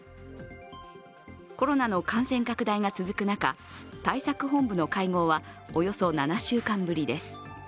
コロナの感染拡大が続く中、対策本部の会合はおよそ７週間ぶりです。